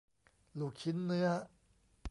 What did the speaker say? ลูกชิ้นเนื้อ